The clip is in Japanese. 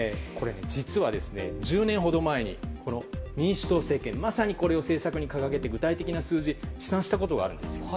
実は、１０年ほど前に民主党政権がこれをまさに政策に掲げて具体的な数字を試算したことがあるんです。